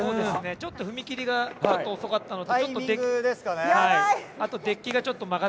ちょっと踏み切りが、ちょっと遅かったのと。